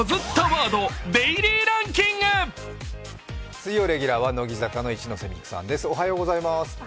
水曜レギュラーは乃木坂の一ノ瀬美空さんです。